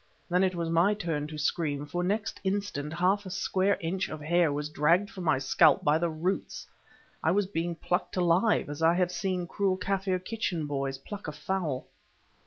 Then it was my turn to scream, for next instant half a square inch of hair was dragged from my scalp by the roots. I was being plucked alive, as I have seen cruel Kaffir kitchen boys pluck a fowl.